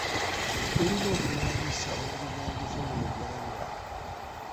Tulina okulwanyisa obuli bw'enguzi mu Uganda.